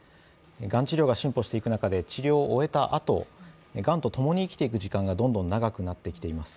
がん治療が進歩していく中で治療を終えたあと、がんとともに生きていく時間がどんどん長くなってきています。